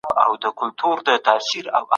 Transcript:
تاسي تل په پوره صلح او پوره ارامۍ کي ژوند کوئ.